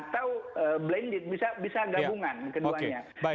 jadi bisa gabungan keduanya